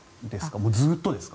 もうずっとですか？